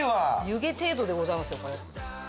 湯気程度でございますよこれ。